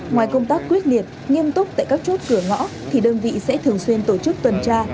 ngoài công tác quyết liệt nghiêm túc tại các chốt cửa ngõ thì đơn vị sẽ thường xuyên tổ chức tuần tra